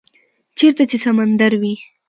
- چیرته چې سمندر وی،